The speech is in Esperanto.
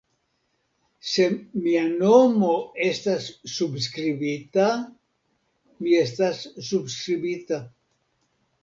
Se mia nomo estas subskribita, mi estas subskribita.